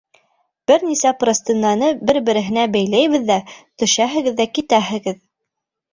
Бер нисә простыняны бер-береһенә бәйләйбеҙ ҙә, төшәһегеҙ ҙә китәһегеҙ!